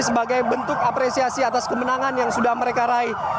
sebagai bentuk apresiasi atas kemenangan yang sudah mereka raih